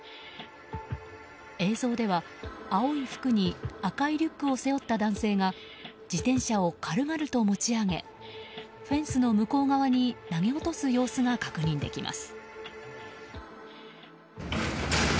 映像では、青い服に赤いリュックを背負った男性が自転車を軽々と持ち上げフェンスの向こう側に投げ落とす様子が確認できます。